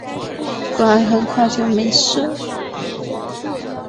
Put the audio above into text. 乖，很快就没事了